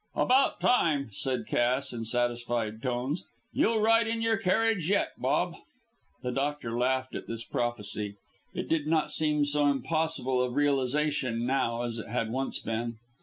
"About time," said Cass, in satisfied tones. "You'll ride in your carriage yet, Bob." The doctor laughed at this prophecy. It did not seem so impossible of realisation now as it had once been.